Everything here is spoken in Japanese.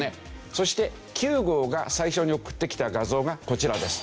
そして９号が最初に送ってきた画像がこちらです。